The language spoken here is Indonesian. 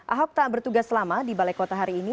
ahok tak bertugas lama di balai kota hari ini